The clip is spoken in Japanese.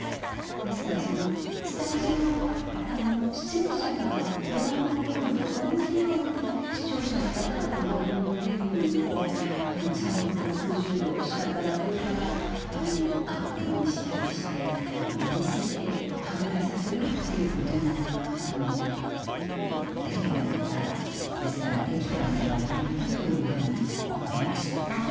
ですからそのスタジオの出演者がご覧になれるのと同じように視聴者の方々もご覧になれるように３６０度下から上からアップにしたりして見せて考えさせるっていうこともテレビですからできたのではないかというふうに思いました。